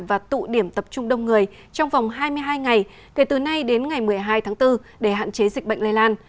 và tụ điểm tập trung đông người trong vòng hai mươi hai ngày kể từ nay đến ngày một mươi hai tháng bốn để hạn chế dịch bệnh lây lan